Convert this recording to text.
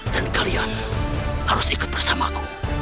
dan kalian harus ikut bersamaku